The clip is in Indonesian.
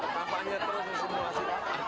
tampaknya terus simulasi